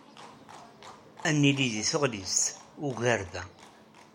Ad nili deg tɣellist ugar da.